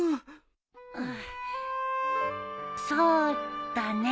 そうだね。